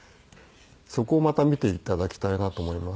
そこをまた見て頂きたいなと思います。